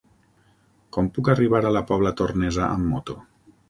Com puc arribar a la Pobla Tornesa amb moto?